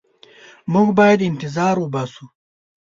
موږ باید انتظار وباسو.